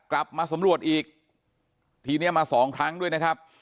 กลับมาสำรวจอีกทีเนี้ยมาสองครั้งด้วยนะครับ